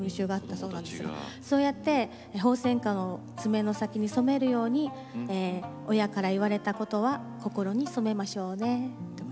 そうやってホウセンカの爪の先に染めるように親から言われたことは心に染めましょうねとかね。